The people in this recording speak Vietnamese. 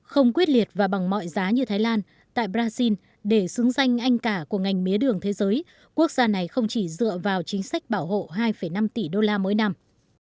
không quyết liệt và bằng mọi giá như thái lan tại brazil để xứng danh anh cả của ngành mía đường thế giới quốc gia này không chỉ dựa vào chính sách bảo hộ hai năm tỷ đô la mỗi năm